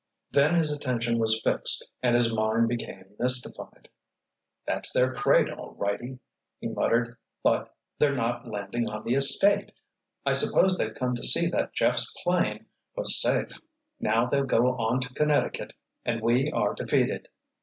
Then his attention was fixed and his mind became mystified. "That's their crate, all righty," he muttered. "But—they're not landing on the estate. I suppose they've come to see that Jeff's 'plane was safe. Now they'll go on to Connecticut and we are defeated."